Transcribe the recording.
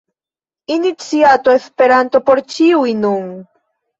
Iniciato Esperanto por ĉiuj – nun!